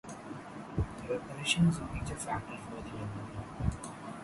Evaporation is a major factor for the lagoon.